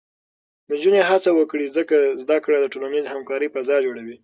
نجونې هڅه وکړي، ځکه زده کړه د ټولنیزې همکارۍ فضا جوړوي.